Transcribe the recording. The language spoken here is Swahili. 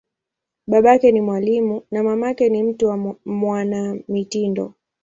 Babake ni mwalimu, na mamake ni mtu wa mwanamitindo.